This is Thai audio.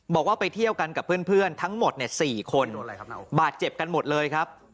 บอกว่าไปเที่ยวกันกับเพื่อนทั้งหมด๔คนบาดเจ็บกันหมดเลยครับ